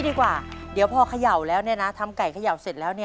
แล้วเวลาเขย่า